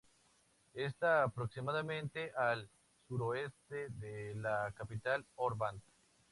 Está a aproximadamente al suroeste de la capital, Hobart.